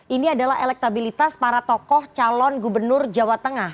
ini adalah elektabilitas para tokoh calon gubernur jawa tengah